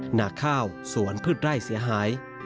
หน้าข้าวสวนพืชไร่เสียหาย